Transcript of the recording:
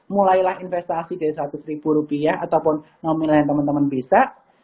mulailah investasi dari seratus ribu rupiah ataupun nominal yang teman teman bisa